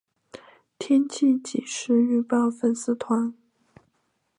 天气即时预报粉丝团